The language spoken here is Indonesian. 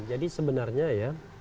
jadi sebenarnya ya